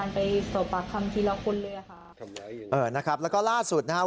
ทำร้ายอย่างไรเออนะครับแล้วก็ล่าสุดนะครับ